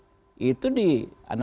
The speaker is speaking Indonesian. dan memperbaiki data yang ada di dalamnya